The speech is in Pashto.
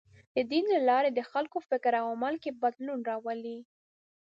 د دین له لارې د خلکو فکر او عمل کې بدلون راولي.